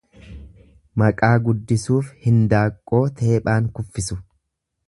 Maqaa guddisuuf hindaaqqoo teephaan kuffisu.